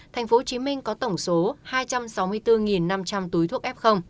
tp hcm có tổng số hai trăm sáu mươi bốn năm trăm linh túi thuốc f